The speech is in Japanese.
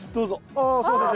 ああすいません。